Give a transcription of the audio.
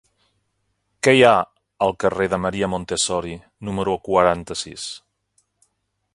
Què hi ha al carrer de Maria Montessori número quaranta-sis?